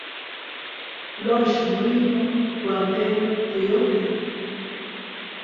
Losha mulilo gwa ndete tu yote.